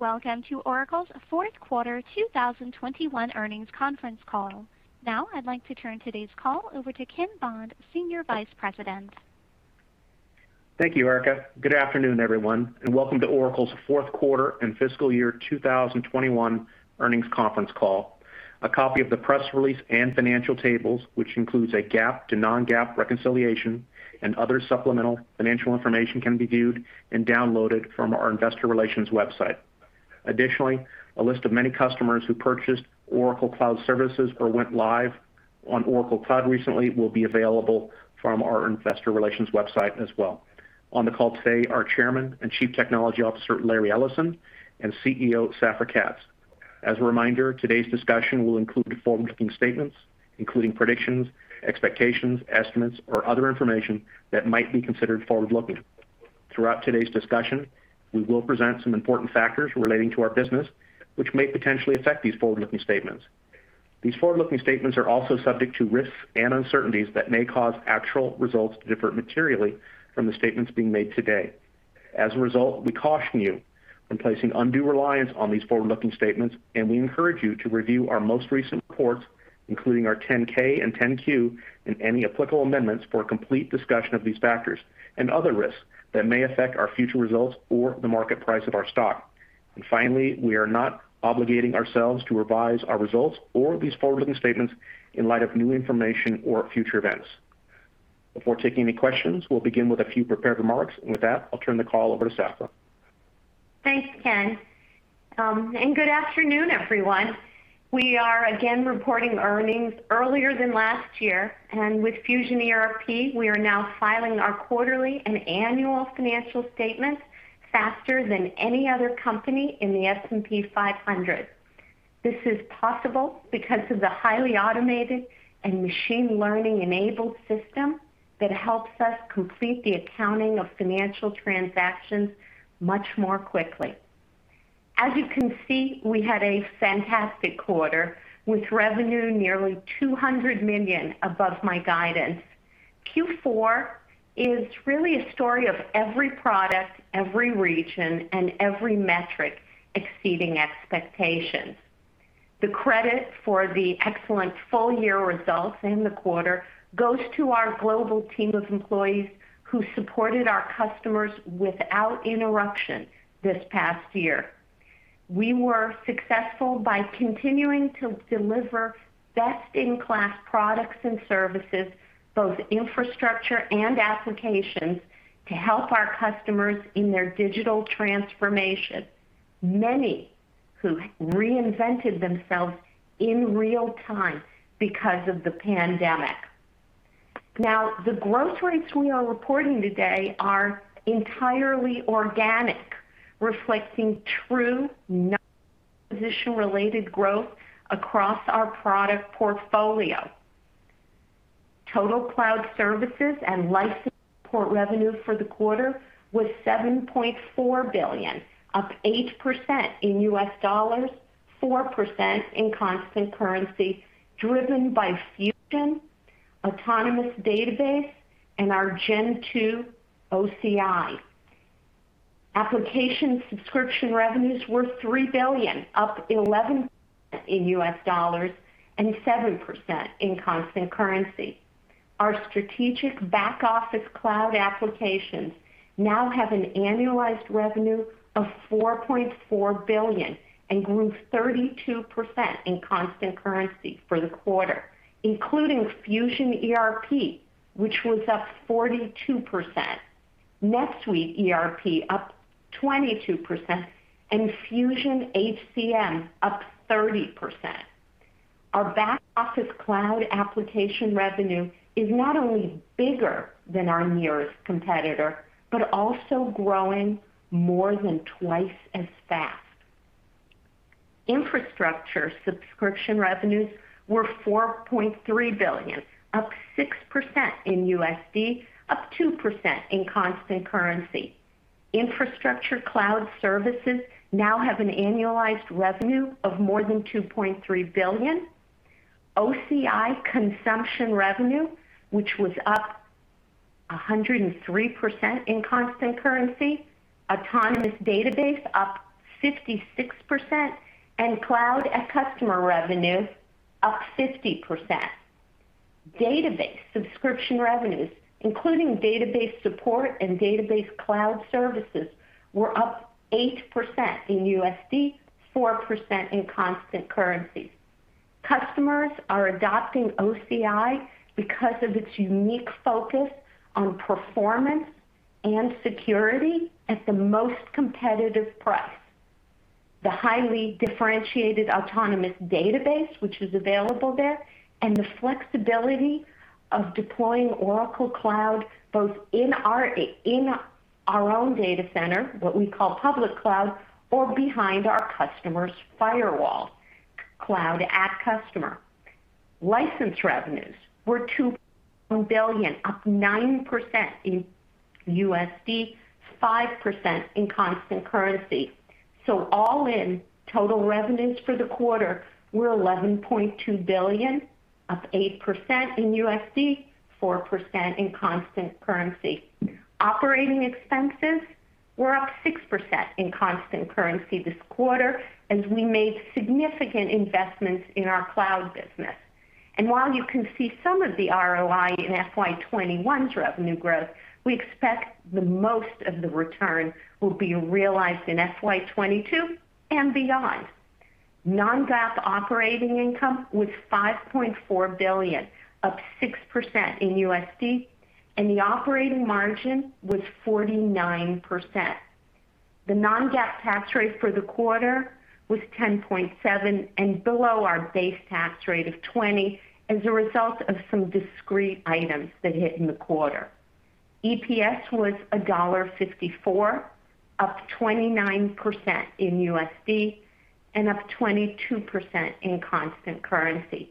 Welcome to Oracle's Fourth Quarter 2021 Earnings Conference Call. Now, I'd like to turn today's call over to Ken Bond, Senior Vice President. Thank you, Erica. Good afternoon, everyone, and welcome to Oracle's Fourth Quarter and Fiscal Year 2021 Earnings Conference Call. A copy of the press release and financial tables, which includes a GAAP to non-GAAP reconciliation, and other supplemental financial information, can be viewed, and downloaded from our investor relations website. Additionally, a list of many customers who purchased Oracle Cloud Services, or went live on Oracle Cloud recently will be available from our investor relations website as well. On the call today are Chairman and Chief Technology Officer, Larry Ellison, and CEO, Safra Catz. As a reminder, today's discussion will include forward-looking statements, including predictions, expectations, estimates, or other information that might be considered forward-looking. Throughout today's discussion, we will present some important factors relating to our business, which may potentially affect these forward-looking statements. These forward-looking statements are also subject to risks and uncertainties that may cause actual results to differ materially from the statements being made today. As a result, we caution you from placing undue reliance on these forward-looking statements, and we encourage you to review our most recent reports, including our 10-K and 10-Q, and any applicable amendments for a complete discussion of these factors, and other risks that may affect our future results, or the market price of our stock. Finally, we are not obligating ourselves to revise our results, or these forward-looking statements in light of new information, or future events. Before taking any questions, we'll begin with a few prepared remarks, and with that, I'll turn the call over to Safra. Thanks, Ken. Good afternoon, everyone. We are again reporting earnings earlier than last year, and with Fusion ERP, we are now filing our quarterly, and annual financial statements faster than any other company in the S&P 500. This is possible because of the highly automated, and machine learning-enabled system that helps us complete the accounting of financial transactions much more quickly. As you can see, we had a fantastic quarter with revenue nearly $200 million above my guidance. Q4 is really a story of every product, every region, and every metric exceeding expectations. The credit for the excellent full-year results in the quarter goes to our global team of employees who supported our customers without interruption this past year. We were successful by continuing to deliver best-in-class products and services, both infrastructure and applications, to help our customers in their digital transformation, many who've reinvented themselves in real-time because of the pandemic. Now, the growth rates we are reporting today are entirely organic, reflecting true acquisition-related growth across our product portfolio. Total cloud services and license support revenues for the quarter was $7.4 billion, up 8% in U.S. dollars, 4% in constant currency, driven by Fusion, Autonomous Database, and our Gen 2 OCI. Application subscription revenues were $3 billion, up 11% in U.S. dollars, and 7% in constant currency. Our strategic back office cloud applications now have an annualized revenue of $4.4 billion, and grew 32% in constant currency for the quarter, including Fusion ERP, which was up 42%. NetSuite ERP up 22%, and Fusion HCM up 30%. Our back office cloud application revenue is not only bigger than our nearest competitor, but also growing more than twice as fast. Infrastructure subscription revenues were $4.3 billion, up 6% in USD, up 2% in constant currency. Infrastructure cloud services now have an annualized revenue of more than $2.3 billion. OCI consumption revenue, which was up 103% in constant currency, Autonomous Database up 56%, and Cloud@Customer revenue up 50%. Database subscription revenues, including database support, and database cloud services, were up 8% in USD, 4% in constant currency. Customers are adopting OCI because of its unique focus on performance, and security at the most competitive price. The highly differentiated Autonomous Database, which is available there, and the flexibility of deploying Oracle Cloud both in our own data center, what we call public cloud, or behind our customers' firewall, Cloud@Customer. License revenues were $2 billion, up 9% in USD, 5% in constant currency. All in, total revenues for the quarter were $11.2 billion, up 8% in USD, 4% in constant currency. Operating expenses were up 6% in constant currency this quarter, as we made significant investments in our cloud business. While you can see some of the ROI in FY 2021's revenue growth, we expect that most of the return will be realized in FY 2022, and beyond. Non-GAAP operating income was $5.4 billion, up 6% in USD, and the operating margin was 49%. The non-GAAP tax rate for the quarter was 10.7%, and below our base tax rate of 20% as a result of some discrete items that hit in the quarter. EPS was $1.54, up 29% in USD, and up 22% in constant currency.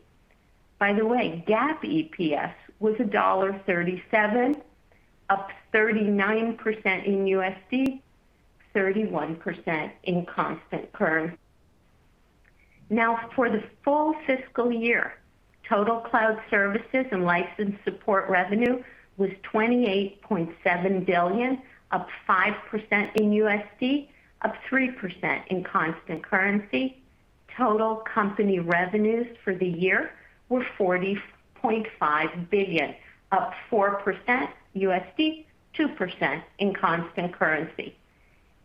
By the way, GAAP EPS was $1.37, up 39% in USD, 31% in constant currency. Now, for the full fiscal year, total cloud services and license support revenue was $28.7 billion, up 5% in USD, up 3% in constant currency. Total company revenues for the year were $40.5 billion, up 4% USD, 2% in constant currency.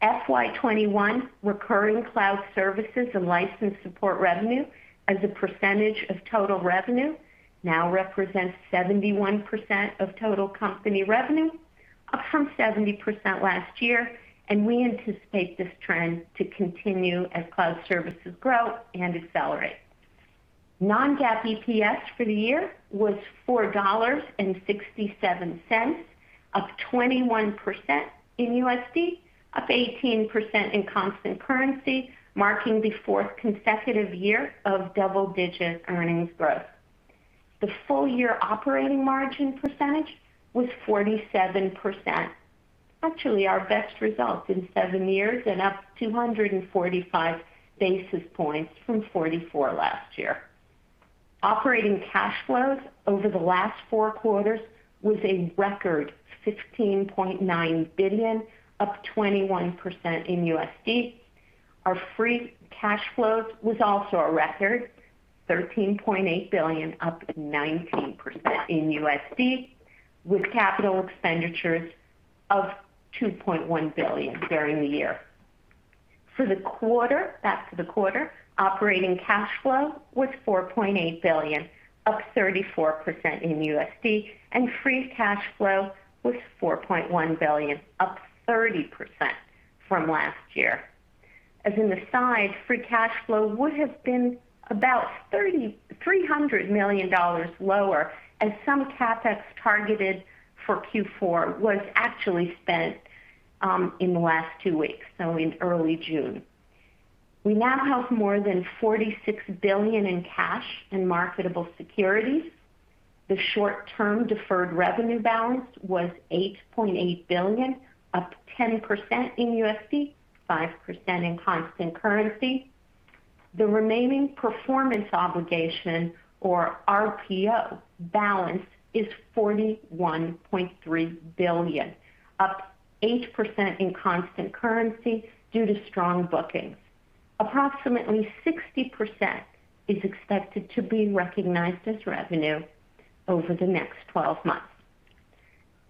FY 2021 recurring cloud services and license support revenue as a percentage of total revenue now represents 71% of total company revenue, up from 70% last year, and we anticipate this trend to continue as cloud services grow, and accelerate. Non-GAAP EPS for the year was $4.67, up 21% in USD, up 18% in constant currency, marking the fourth consecutive year of double-digit earnings growth. The full-year operating margin percentage was 47%, actually our best result in seven years, and up 245 basis points from 44% last year. Operating cash flow over the last four quarters was a record $16.9 billion, up 21% in USD. Our free cash flow was also a record $13.8 billion, up 19% in USD, with capital expenditures of $2.1 billion during the year. For the quarter, back to the quarter, operating cash flow was $4.8 billion, up 34% in USD, and free cash flow was $4.1 billion, up 30% from last year. As an aside, free cash flow would have been about $300 million lower as some CapEx targeted for Q4 was actually spent in the last two weeks, so in early June. We now have more than $46 billion in cash and marketable securities. The short-term deferred revenue balance was $8.8 billion, up 10% in USD, 5% in constant currency. The remaining performance obligation or RPO balance is $41.3 billion, up 8% in constant currency due to strong bookings. Approximately 60% is expected to be recognized as revenue over the next 12 months.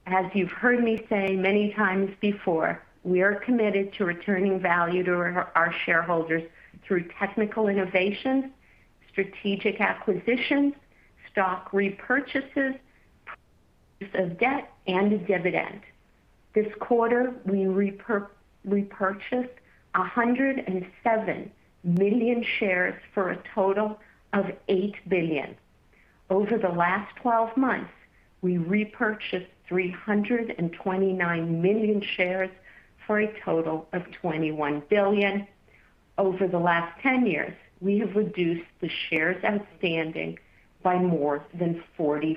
As you've heard me say many times before, we are committed to returning value to our shareholders through technical innovations, strategic acquisitions, stock repurchases, use of debt, and a dividend. This quarter, we repurchased 107 million shares for a total of $8 billion. Over the last 12 months, we repurchased 329 million shares for a total of $21 billion. Over the last 10 years, we have reduced the shares outstanding by more than 44%.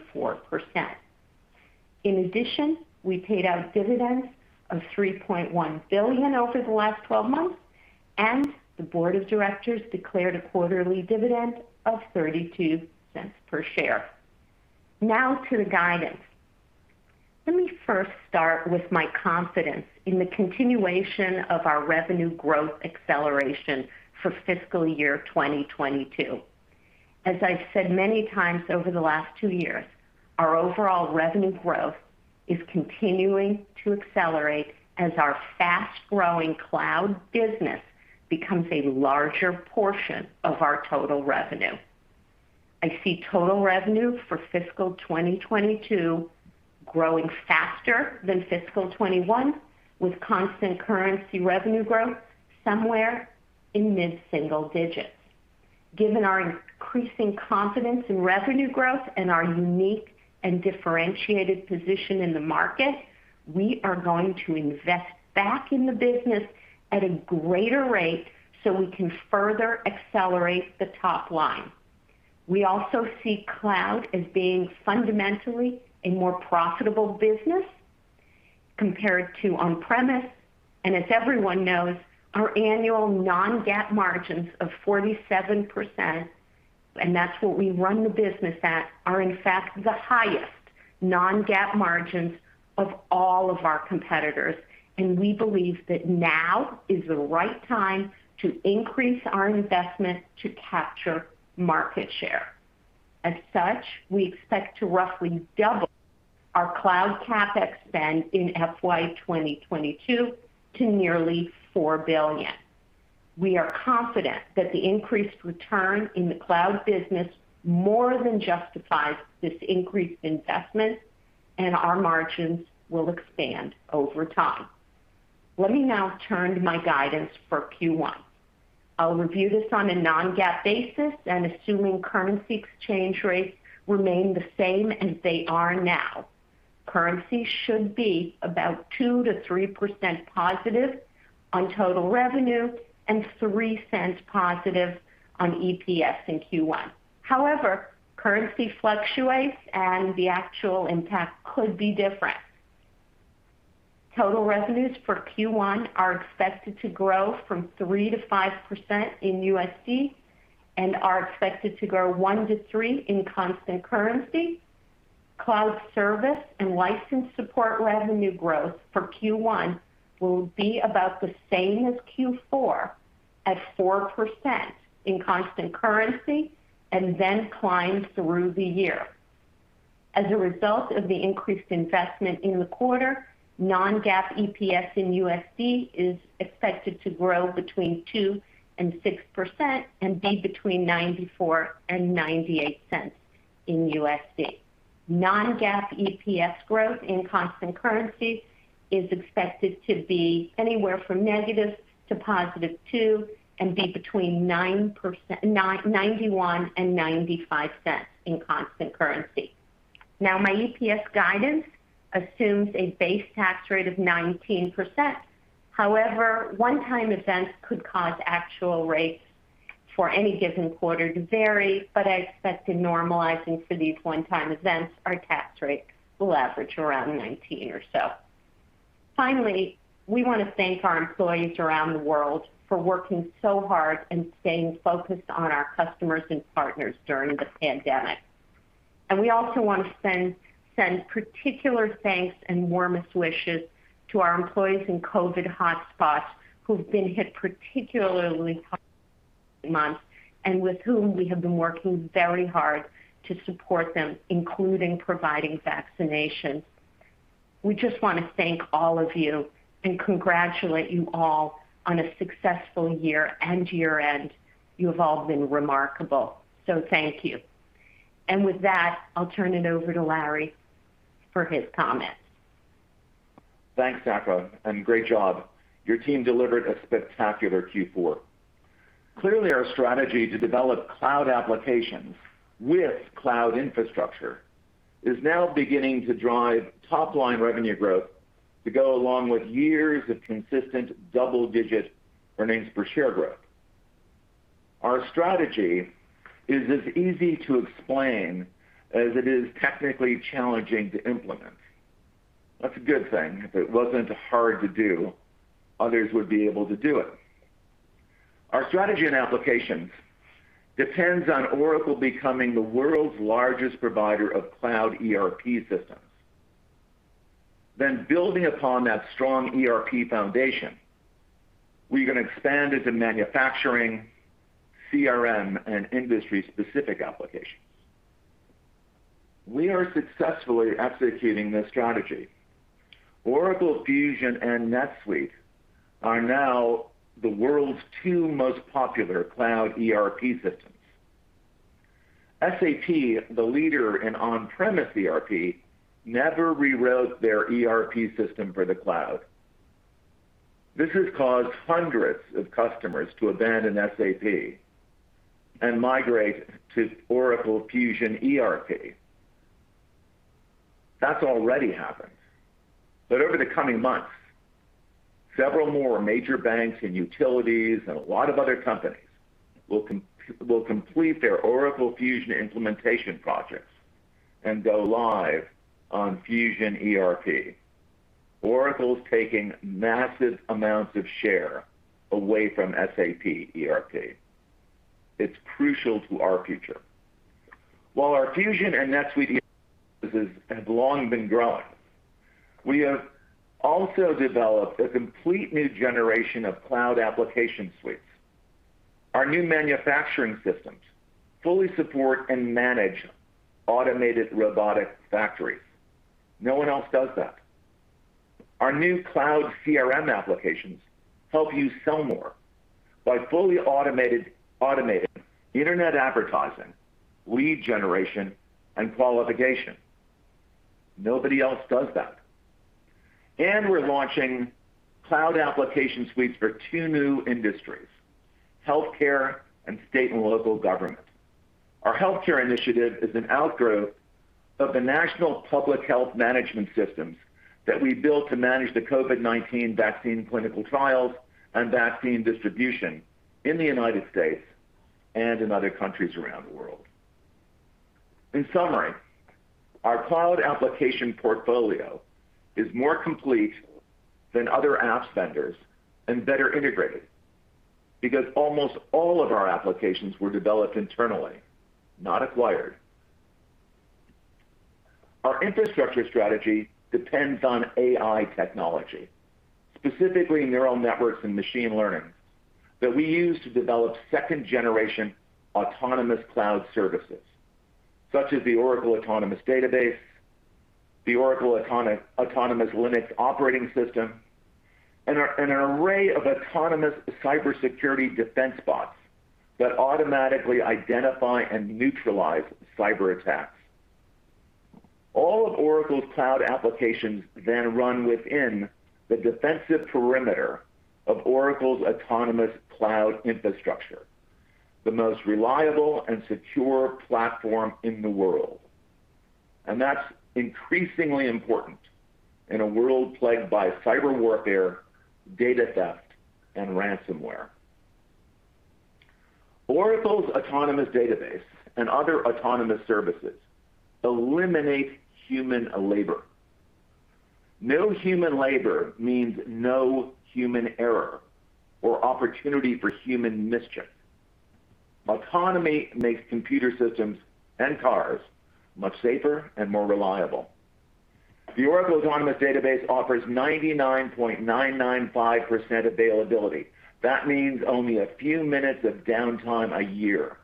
In addition, we paid out dividends of $3.1 billion over the last 12 months, and the Board of Directors declared a quarterly dividend of $0.32 per share. Now to the guidance. Let me first start with my confidence in the continuation of our revenue growth acceleration for fiscal year 2022. As I've said many times over the last two years, our overall revenue growth is continuing to accelerate as our fast-growing cloud business becomes a larger portion of our total revenue. I see total revenue for fiscal 2022 growing faster than fiscal 2021, with constant currency revenue growth somewhere in mid-single digits. Given our increasing confidence in revenue growth, and our unique, and differentiated position in the market, we are going to invest back in the business at a greater rate so we can further accelerate the top line. We also see cloud as being fundamentally a more profitable business compared to on-premise, and as everyone knows, our annual non-GAAP margins of 47%, and that's what we run the business at, are in fact the highest non-GAAP margins of all of our competitors. We believe that now is the right time to increase our investment to capture market share. As such, we expect to roughly double our cloud CapEx spend in FY 2022 to nearly $4 billion. We are confident that the increased return in the cloud business more than justifies this increased investment, and our margins will expand over time. Let me now turn to my guidance for Q1. I'll review this on a non-GAAP basis, and assuming currency exchange rates remain the same as they are now. Currency should be about 2% to 3%+ on total revenue and $0.03+ on EPS in Q1. However, currency fluctuates, and the actual impact could be different. Total revenues for Q1 are expected to grow from 3%-5% in USD, and are expected to grow 1%-3% in constant currency. Cloud service and license support revenue growth for Q1 will be about the same as Q4 at 4% in constant currency, and then climb through the year. As a result of the increased investment in the quarter, non-GAAP EPS in USD is expected to grow between 2% and 6% and be between $0.94 and $0.98. Non-GAAP EPS growth in constant currency is expected to be anywhere from negative to positive 2%, and be between $0.91 and $0.95 in constant currency. My EPS guidance assumes a base tax rate of 19%. However, one-time events could cause actual rates for any given quarter to vary, but I expect in normalizing for these one-time events, our tax rate will average around 19% or so. Finally, we want to thank our employees around the world for working so hard, and staying focused on our customers and partners during the pandemic. We also want to send particular thanks, and warmest wishes to our employees in COVID hotspots who've been hit particularly hard these last few months, and with whom we have been working very hard to support them, including providing vaccinations. We just want to thank all of you, and congratulate you all on a successful year and year-end. You've all been remarkable. Thank you. With that, I'll turn it over to Larry for his comments. Thanks, Safra, and great job. Your team delivered a spectacular Q4. Clearly, our strategy to develop cloud applications with cloud infrastructure is now beginning to drive top-line revenue growth to go along with years of consistent double-digit earnings per share growth. Our strategy is as easy to explain as it is technically challenging to implement. That's a good thing. If it wasn't hard to do, others would be able to do it. Our strategy and applications depends on Oracle becoming the world's largest provider of cloud ERP systems. Then building upon that strong ERP foundation, we're going to expand into manufacturing, CRM, and industry-specific applications. We are successfully executing this strategy. Oracle Fusion and NetSuite are now the world's two most popular cloud ERP systems. SAP, the leader in on-premise ERP, never rewrote their ERP system for the cloud. This has caused hundreds of customers to abandon SAP, and migrate to Oracle Fusion ERP. That's already happened. Over the coming months, several more major banks, and utilities, and a lot of other companies will complete their Oracle Fusion implementation projects, and go live on Fusion ERP. Oracle's taking massive amounts of share away from SAP ERP. It's crucial to our future. While our Fusion and NetSuite businesses have long been growing, we have also developed a complete new generation of cloud application suites. Our new manufacturing systems fully support, and manage automated robotic factories. No one else does that. Our new cloud CRM applications help you sell more by fully automating internet advertising, lead generation, and qualification. Nobody else does that. We're launching cloud application suites for two new industries, healthcare and state and local government. Our healthcare initiative is an outgrowth of the national public health management systems that we built to manage the COVID-19 vaccine clinical trials, and vaccine distribution in the U.S., and in other countries around the world. In summary, our cloud application portfolio is more complete than other apps vendors, and better integrated because almost all of our applications were developed internally, not acquired. Our infrastructure strategy depends on AI technology, specifically neural networks and machine learning, that we use to develop second-generation autonomous cloud services, such as the Oracle Autonomous Database, the Oracle Autonomous Linux operating system, and an array of autonomous cybersecurity defense bots that automatically identify, and neutralize cyberattacks. All of Oracle's cloud applications then run within the defensive perimeter of Oracle's autonomous cloud infrastructure, the most reliable and secure platform in the world. That's increasingly important in a world plagued by cyber warfare, data theft, and ransomware. Oracle's Autonomous Database and other autonomous services eliminate human labor. No human labor means no human error, or opportunity for human mischief. Autonomy makes computer systems and cars much safer, and more reliable. The Oracle Autonomous Database offers 99.995% availability. That means only a few minutes of downtime a year.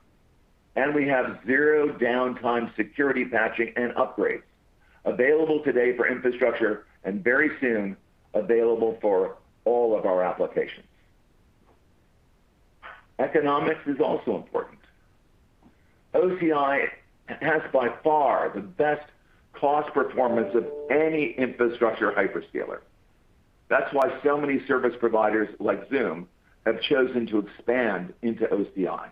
We have zero downtime security patching and upgrades available today for infrastructure, and very soon available for all of our applications. Economics is also important. OCI has by far the best cost performance of any infrastructure hyperscaler. That's why so many service providers like Zoom have chosen to expand into OCI.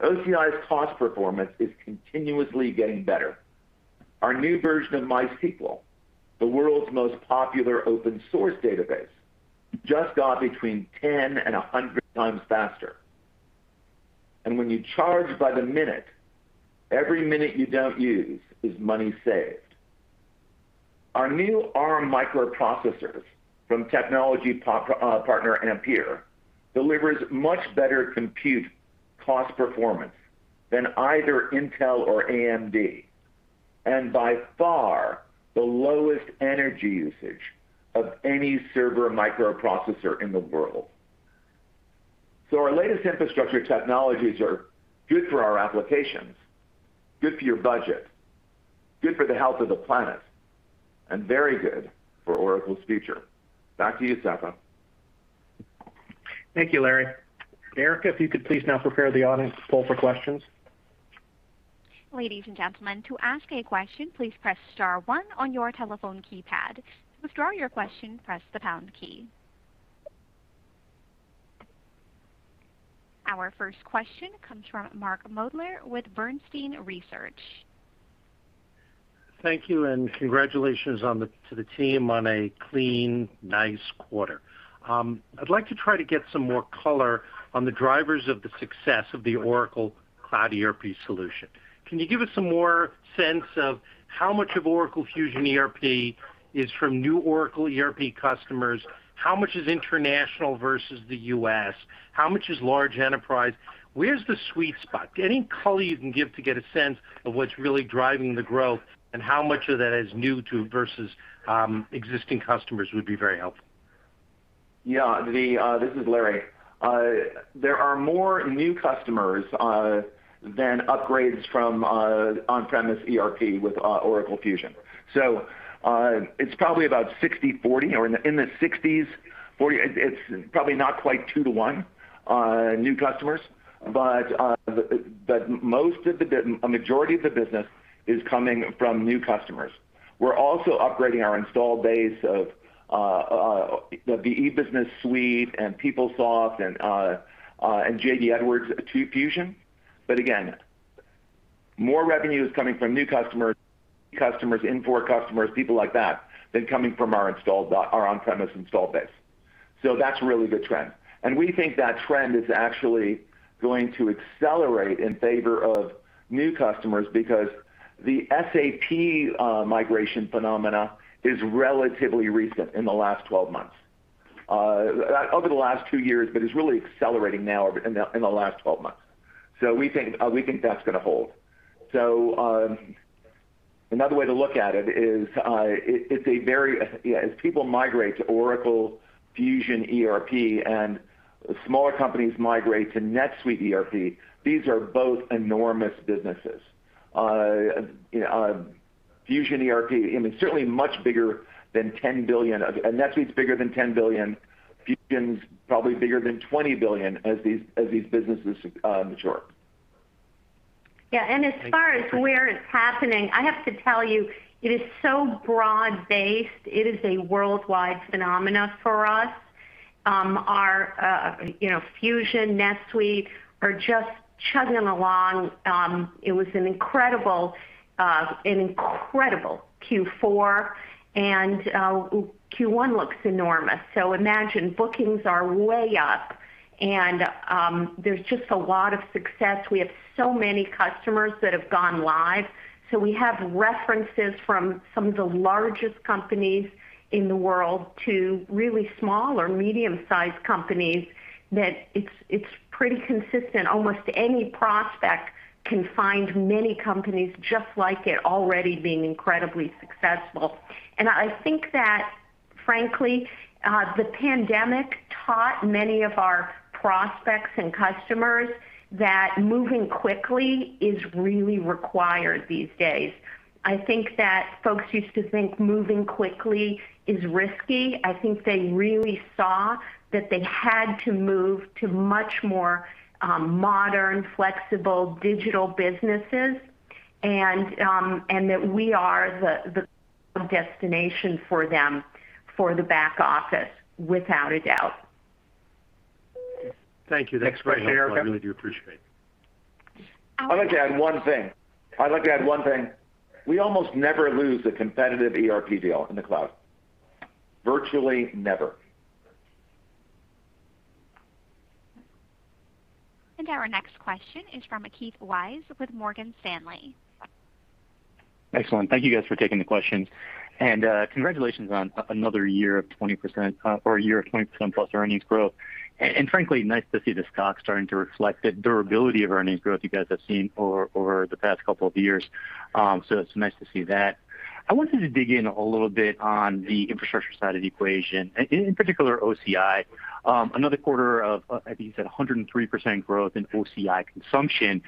OCI's cost performance is continuously getting better. Our new version of MySQL, the world's most popular open source database, just got between 10 and 100 times faster. When you charge by the minute, every minute you don't use is money saved. Our new Arm microprocessors from technology partner Ampere delivers much better compute cost performance than either Intel or AMD, and by far the lowest energy usage of any server microprocessor in the world. Our latest infrastructure technologies are good for our applications, good for your budget, good for the health of the planet, and very good for Oracle's future. Back to you, Safra. Thank you, Larry. Erica, if you could please now prepare the audience poll for questions. Ladies and gentlemen, to ask a question, please press star one on your telephone keypad. To withdraw your question, press the pound key. Our first question comes from Mark Moerdler with Bernstein Research. Thank you, and congratulations to the team on a clean, nice quarter. I'd like to try to get some more color on the drivers of the success of the Oracle Cloud ERP solution. Can you give us some more sense of how much of Oracle Fusion ERP is from new Oracle ERP customers? How much is international versus the U.S.? How much is large enterprise? Where's the sweet spot? Any color you can give to get a sense of what's really driving the growth, and how much of that is new to versus existing customers would be very helpful. This is Larry. There are more new customers than upgrades from on-premise ERP with Oracle Fusion. It's probably about 60/40 or in the 60s. It's probably not quite 2:1 new customers, but most of them, a majority of the business is coming from new customers. We're also upgrading our install base of the E-Business Suite and PeopleSoft and JD Edwards to Fusion. Again, more revenue is coming from new customers, Infor customers, people like that, than coming from our on-premise install base. That's a really good trend. We think that trend is actually going to accelerate in favor of new customers because the SAP migration phenomena is relatively recent, in the last 12 months. Over the last two years, is really accelerating now in the last 12 months. We think that's going to hold. Another way to look at it is as people migrate to Oracle Fusion ERP, and smaller companies migrate to NetSuite ERP, these are both enormous businesses. Fusion ERP, certainly much bigger than $10 billion. NetSuite's bigger than $10 billion. Fusion's probably bigger than $20 billion as these businesses mature. Thank you. As far as where it's happening, I have to tell you, it is so broad-based. It is a worldwide phenomenon for us. Our Fusion, NetSuite are just chugging along. It was an incredible, incredible Q4, and Q1 looks enormous. Imagine, bookings are way up, and there's just a lot of success. We have so many customers that have gone live. We have references from some of the largest companies in the world to really small or medium-sized companies that it's pretty consistent. Almost any prospect can find many companies just like it already being incredibly successful. I think that frankly, the pandemic taught many of our prospects and customers that moving quickly is really required these days. I think that folks used to think moving quickly is risky. I think they really saw that they had to move to much more modern, flexible digital businesses, and that we are the destination for them for the back office, without a doubt. Thank you. That's great, Safra. I really do appreciate it. I'd like to add one thing. I'd like to add one thing. We almost never lose a competitive ERP deal in the cloud. Virtually never. Our next question is from Keith Weiss with Morgan Stanley. Excellent. Thank you guys for taking the questions, congratulations on another year of 20%+ earnings growth. Frankly, nice to see the stock starting to reflect the durability of earnings growth you guys have seen over the past couple of years. It's nice to see that. I wanted to dig in a little bit on the infrastructure side of the equation, in particular OCI. Another quarter of, I think you said 103% growth in OCI consumption.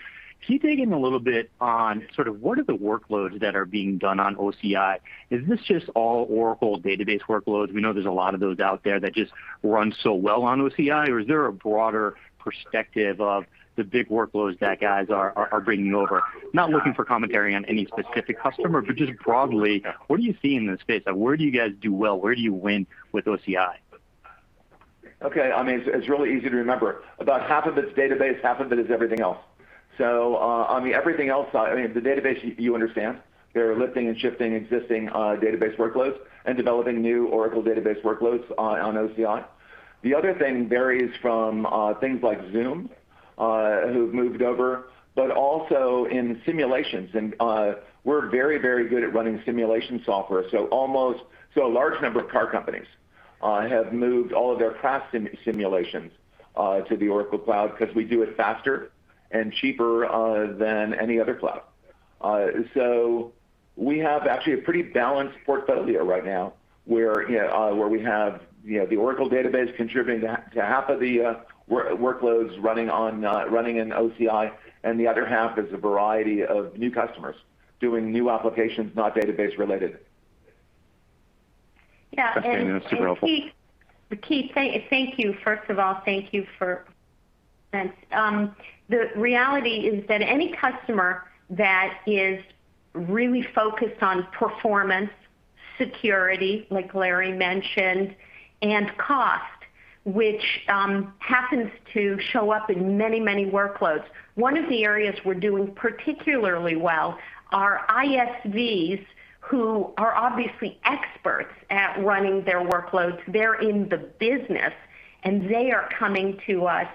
Can you dig in a little bit on sort of what are the workloads that are being done on OCI? Is this just all Oracle database workloads? We know there's a lot of those out there that just run so well on OCI. Is there a broader perspective of the big workloads that guys are bringing over? Not looking for commentary on any specific customer, just broadly, what are you seeing in this space? Where do you guys do well? Where do you win with OCI? Okay. It's really easy to remember. About half of it's database, half of it is everything else. On the everything else side, the database, you understand. They're lifting and shifting existing database workloads, and developing new Oracle database workloads on OCI. The other thing varies from things like Zoom, who've moved over, but also in simulations. We're very, very good at running simulation software. Almost, a large number of car companies have moved all of their crash simulations to the Oracle Cloud because we do it faster, and cheaper than any other cloud. We have actually a pretty balanced portfolio right now, where we have the Oracle database contributing to half of the workloads running in OCI, and the other half is a variety of new customers doing new applications, not database related. Yeah, that's super helpful. Keith, thank you. First of all, thank you for that. The reality is that any customer that is really focused on performance, security, like Larry mentioned, and cost, which happens to show up in many, many workloads. One of the areas we're doing particularly well are ISVs, who are obviously experts at running their workloads. They're in the business, and they are coming to us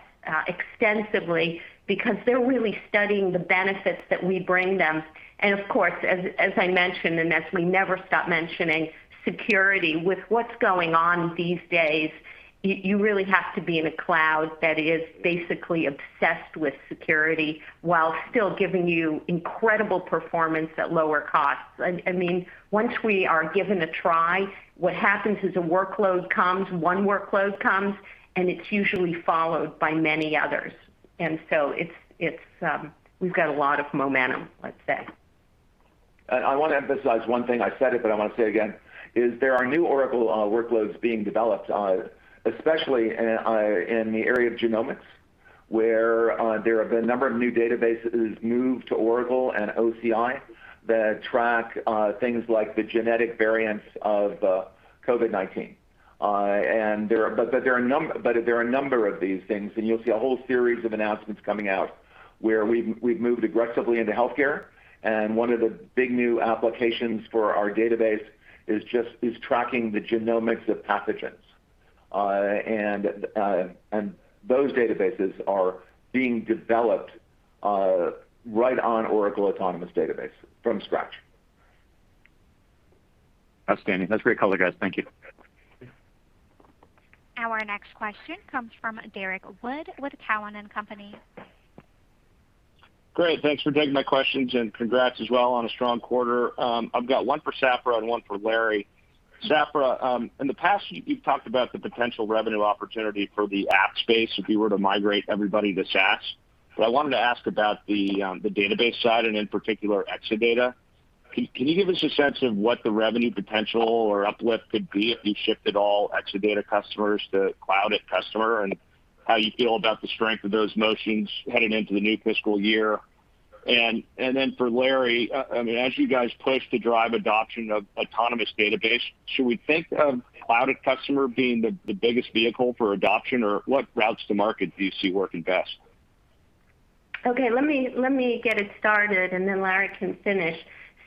extensively because they're really studying the benefits that we bring them. Of course, as I mentioned, and as we never stop mentioning, security. With what's going on these days, you really have to be in a cloud that is basically obsessed with security while still giving you incredible performance at lower costs. I mean, once we are given a try, what happens is a workload comes, one workload comes, and it's usually followed by many others. We've got a lot of momentum, let's say. I want to emphasize one thing, I said it, but I want to say again, is there are new Oracle workloads being developed, especially in the area of genomics, where there have been a number of new databases moved to Oracle and OCI that track things like the genetic variants of COVID-19. There are a number of these things, and you'll see a whole series of announcements coming out where we've moved aggressively into healthcare. One of the big new applications for our database is tracking the genomics of pathogens. Those databases are being developed right on Oracle Autonomous Database from scratch. Outstanding. That's great color, guys. Thank you. Our next question comes from Derrick Wood with Cowen and Company. Great. Thanks for taking my questions, and congrats as well on a strong quarter. I've got one for Safra, and one for Larry. Safra, in the past, you've talked about the potential revenue opportunity for the app space if you were to migrate everybody to SaaS. I wanted to ask about the database side, and in particular, Exadata. Can you give us a sense of what the revenue potential, or uplift could be if you shifted all Exadata customers to Cloud@Customer, and how you feel about the strength of those motions heading into the new fiscal year? For Larry, as you guys push to drive adoption of Autonomous Database, should we think of Cloud@Customer being the biggest vehicle for adoption? What routes to market do you see working best? Ok let me, let me get it started, Larry can finish.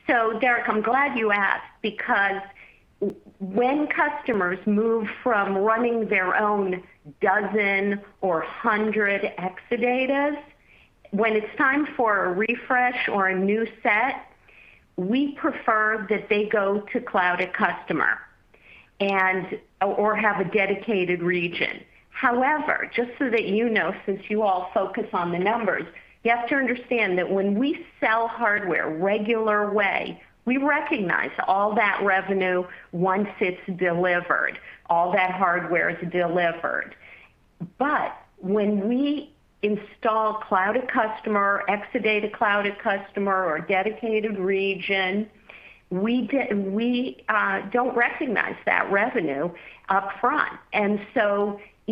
Derrick, I'm glad you asked because when customers move from running their own dozen or hundred Exadatas, when it's time for a refresh, or a new set, we prefer that they go to Cloud@Customer, and, or have a Dedicated Region. Just so that you know, since you all focus on the numbers, you have to understand that when we sell hardware regular way, we recognize all that revenue once it's delivered, all that hardware is delivered. When we install Cloud@Customer, Exadata Cloud@Customer, or a Dedicated Region, we don't recognize that revenue upfront.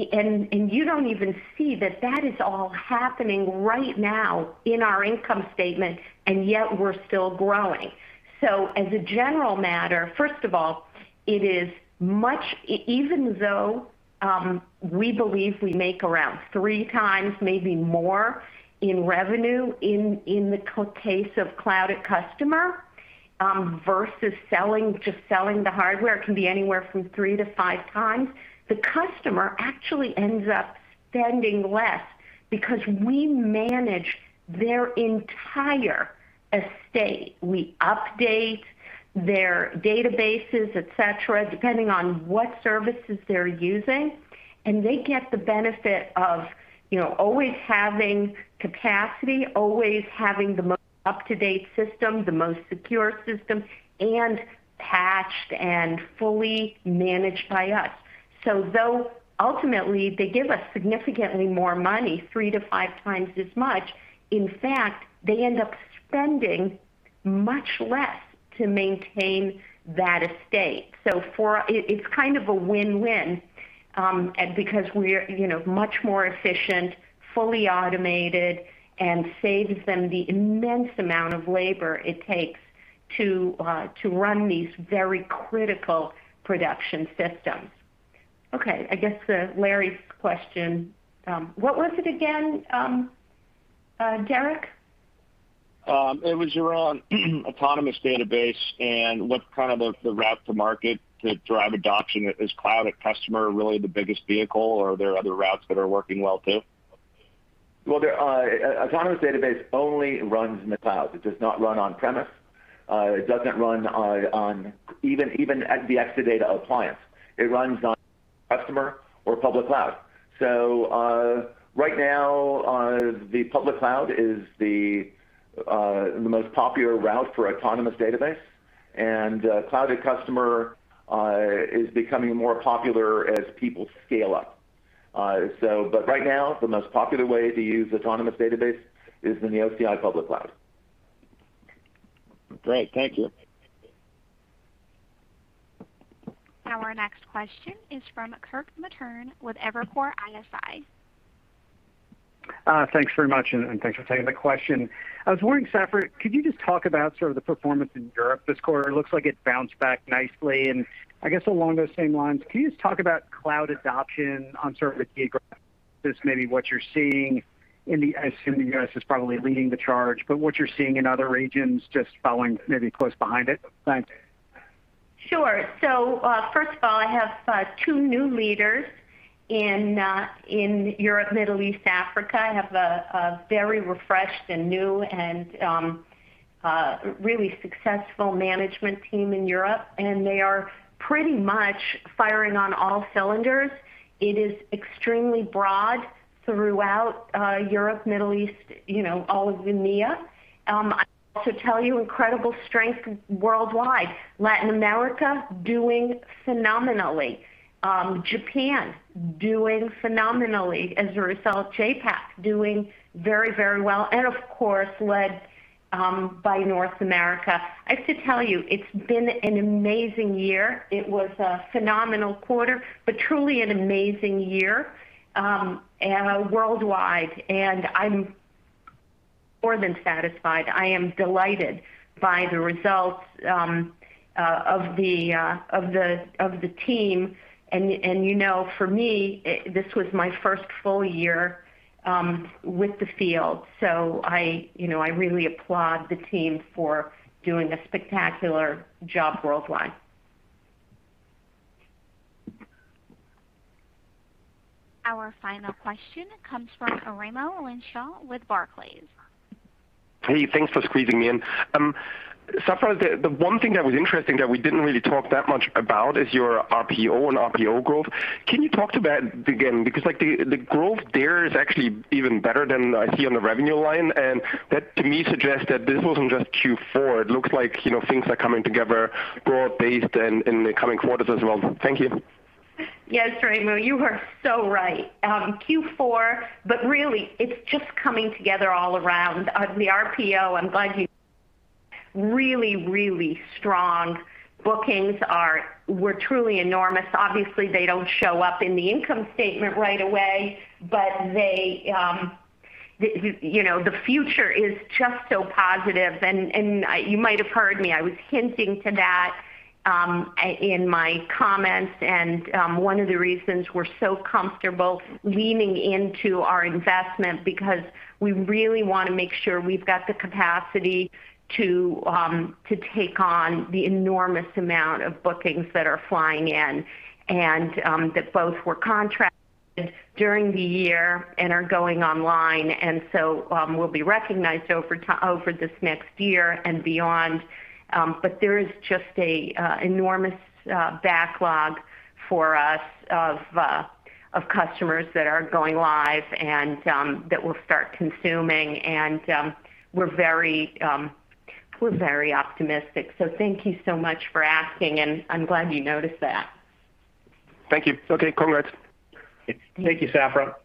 You don't even see that that is all happening right now in our income statement, and yet we're still growing. As a general matter, first of all, it is much, even though we believe we make around 3x, maybe more, in revenue in the case of Cloud@Customer versus just selling the hardware, it can be anywhere from 3x-5x. The customer actually ends up spending less because we manage their entire estate. We update their databases, et cetera, depending on what services they're using, and they get the benefit of always having capacity, always having the most up-to-date system, the most secure system, and patched, and fully managed by us. Though ultimately they give us significantly more money, 3x-5x as much, in fact, they end up spending much less to maintain that estate. It's kind of a win-win, because we're much more efficient, fully automated, and saves them the immense amount of labor it takes to run these very critical production systems. Okay. I guess Larry's question. What was it again, Derrick? It was around Autonomous Database, and what kind of, the route to market to drive adoption. Is Cloud@Customer really the biggest vehicle, or are there other routes that are working well, too? The Autonomous Database only runs in the cloud. It does not run on-premise. It doesn't run on even the Exadata appliance. It runs on Cloud@Customer or public cloud. Right now, the public cloud is the most popular route for Autonomous Database, and Cloud@Customer is becoming more popular as people scale up. Right now, the most popular way to use Autonomous Database is in the OCI public cloud. Great. Thank you. Our next question is from Kirk Materne with Evercore ISI. Thanks very much, and thanks for taking the question. I was wondering, Safra, could you just talk about sort of the performance in Europe this quarter? It looks like it bounced back nicely. I guess along those same lines, can you just talk about cloud adoption on sort of a geographic basis? Maybe what you're seeing in the, I assume the U.S. is probably leading the charge, but what you're seeing in other regions just following maybe close behind it. Thanks. Sure. First of all, I have two new leaders in Europe, Middle East, Africa. I have a very refreshed, and new, and really successful management team in Europe, and they are pretty much firing on all cylinders. It is extremely broad throughout Europe, Middle East, all of EMEA. I can also tell you, incredible strength worldwide. Latin America, doing phenomenally. Japan, doing phenomenally. As you saw, JAPAC doing very, very well. Of course, led by North America. I have to tell you, it's been an amazing year. It was a phenomenal quarter, but truly an amazing year, and worldwide. I'm more than satisfied. I am delighted by the results of the team. You know, for me, this was my first full year with the field, so I really applaud the team for doing a spectacular job worldwide. Our final question comes from Raimo Lenschow with Barclays. Hey, thanks for squeezing me in. Safra, the one thing that was interesting that we didn't really talk that much about is your RPO, and RPO growth. Can you talk to that again? The growth there is actually even better than I see on the revenue line. That, to me, suggests that this wasn't just Q4. It looks like things are coming together broad-based in the coming quarters as well. Thank you. Yes, Raimo, you are so right. Q4, really it's just coming together all around. The RPO and [budget] really, really strong. Bookings are, were truly enormous. Obviously, they don't show up in the income statement right away, but they, you know, the future is just so positive. You might have heard me, I was hinting to that in my comments. One of the reasons we're so comfortable leaning into our investment because we really want to make sure we've got the capacity to take on the enormous amount of bookings that are flying in, and that both were contracted during the year, and are going online. Will be recognized over this next year, and beyond. There is just an enormous backlog for us of customers that are going live, and that will start consuming, and we're very optimistic. Thank you so much for asking, and I'm glad you noticed that. Thank you. Okay, congrats. Thank you, Safra.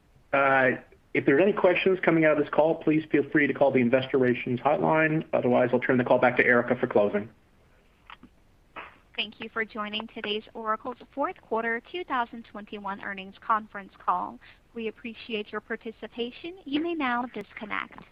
If there are any questions coming out of this call, please feel free to call the investor relations hotline. Otherwise, I'll turn the call back to Erica for closing. Thank you for joining today's Oracle's Fourth Quarter 2021 Earnings Conference Call. We appreciate your participation. You may now disconnect.